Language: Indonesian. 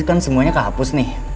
kan semuanya kehapus nih